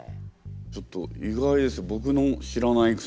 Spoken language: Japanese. ちょっと意外です。